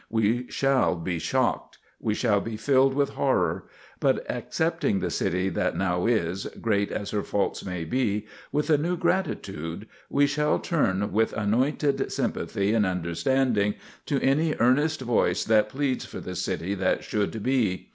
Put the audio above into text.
_ _We shall be shocked; we shall be filled with horror; but accepting the city that now is, great as her faults may be, with a new gratitude, we shall turn with anointed sympathy and understanding to any earnest voice that pleads for the city that should be.